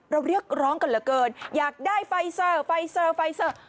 เรียกร้องกันเหลือเกินอยากได้ไฟเซอร์ไฟเซอร์ไฟเซอร์